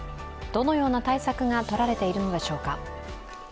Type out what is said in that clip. どのような対策がとられているのでしょうか。